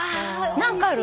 何かある？